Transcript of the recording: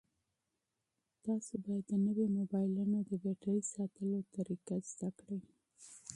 تاسو باید د نویو موبایلونو د بېټرۍ ساتلو طریقه زده کړئ.